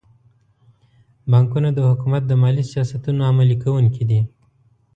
بانکونه د حکومت د مالي سیاستونو عملي کوونکي دي.